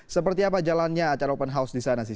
seperti apa jalannya acara open house di sana sih